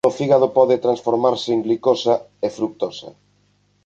No fígado pode transformarse en glicosa e frutosa.